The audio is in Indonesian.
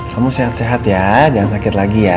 kamu sehat sehat ya jangan sakit lagi ya